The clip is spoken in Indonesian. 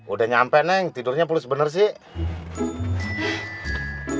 udah nyampe neng tidurnya pulus bener sih